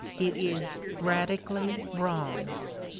It is radically wrong.